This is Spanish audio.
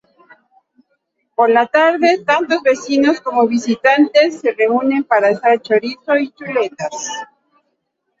Por la tarde tanto vecinos como visitantes se reúnen para asar chorizo y chuletas.